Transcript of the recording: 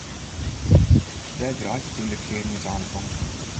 Dêr draait it yn de kearn úteinlik om.